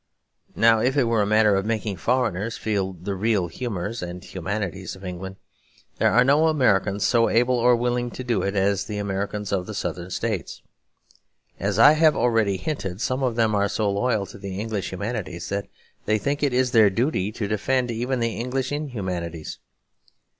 Now if it were a matter of making foreigners feel the real humours and humanities of England, there are no Americans so able or willing to do it as the Americans of the Southern States. As I have already hinted, some of them are so loyal to the English humanities, that they think it their duty to defend even the English inhumanities.